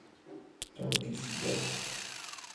Tornquist y Av.